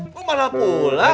kok malah pulang